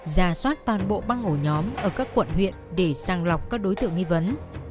ra soát toàn bộ băng ổ nhóm ở các quận huyện để sàng lọc các đối tượng nghi vấn